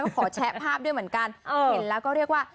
ขอแชะภาพด้วยเหมือนกันเห็นแล้วก็เรียกว่า